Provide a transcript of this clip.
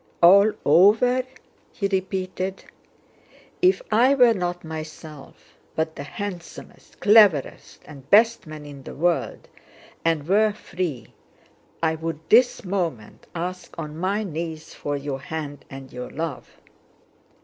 "All over?" he repeated. "If I were not myself, but the handsomest, cleverest, and best man in the world, and were free, I would this moment ask on my knees for your hand and your love!"